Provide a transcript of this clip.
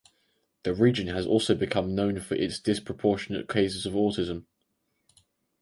The region has also become known for disproportionate cases of autism.